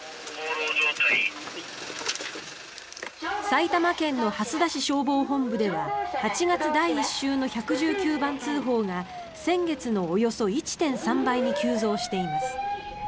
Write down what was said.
埼玉県の蓮田市消防本部では８月第１週の１１９番通報が先月のおよそ１．３倍に急増しています。